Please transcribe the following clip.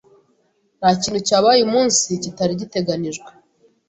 Nta kintu cyabaye uyu munsi kitari giteganijwe.